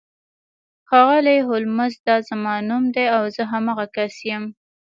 ښاغلی هولمز دا زما نوم دی او زه همغه کس یم